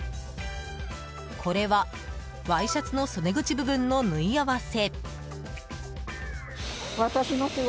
これは、ワイシャツの袖口部分の縫い合わせ。